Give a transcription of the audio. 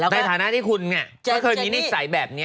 ในฐานะที่คุณก็เคยมีนิสัยแบบนี้